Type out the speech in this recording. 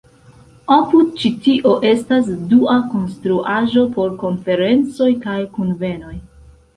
Apud ĉi-tio estas dua konstruaĵo por konferencoj kaj kunvenoj.